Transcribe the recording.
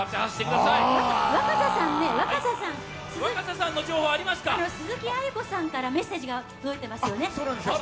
若狭さん、鈴木亜由子さんからメッセージ届いてますね。